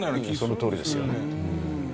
そのとおりですよね。